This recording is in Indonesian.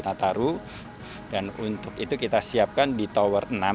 nataru dan untuk itu kita siapkan di tower enam